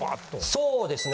そうですね。